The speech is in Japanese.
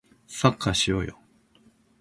サッカーしようよ